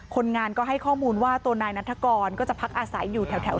คนงานก็ให้ข้อมูลว่าตัวนายนัฐกรก็จะพักอาศัยอยู่แถว